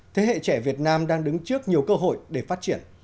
thế hệ trẻ việt nam đang đứng trước nhiều cơ hội để phát triển